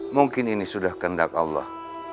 mungkin ini sudah kendak allah